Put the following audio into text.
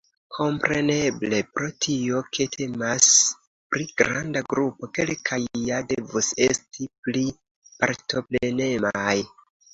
Kompreneble, pro tio, ke temas pri granda grupo, kelkaj ja devus esti pli partoprenemaj.